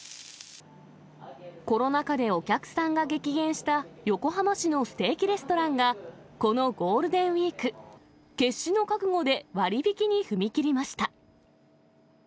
コロナ禍でお客さんが激減した横浜市のステーキレストランが、このゴールデンウィーク、決死の覚悟で割引に踏み切りました。